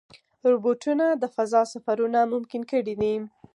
روبوټونه د فضا سفرونه ممکن کړي دي.